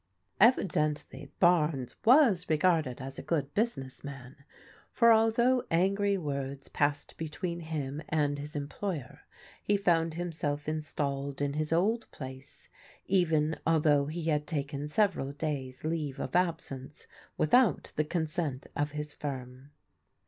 Evidently Barnes was regarded as a good business man, for although angry words passed between him and his employer, he found himself installed in his old place, even although he had taken several days' leave of ab sence without the consent of his firm.